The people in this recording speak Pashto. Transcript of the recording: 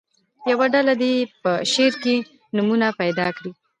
یوه ډله دې په شعر کې نومونه پیدا کړي.